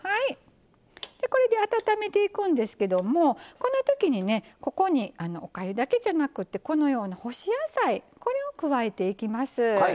これで温めていくんですけどもこのときにおかゆだけじゃなくて干し野菜を加えていきます。